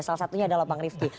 salah satunya adalah bang rifki